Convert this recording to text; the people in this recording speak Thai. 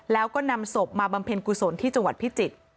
แล้วก็นำศพมาบำเพ็ญกุศลที่จังหวัดพิจิตร